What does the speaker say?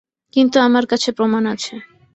কিন্তু আমার কাছে প্রমাণ আছে।